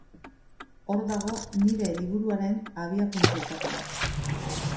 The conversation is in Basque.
Hor dago nire liburuaren abiapuntuetako bat.